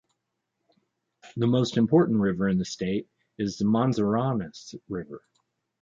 The most important river in the state is the Manzanares River.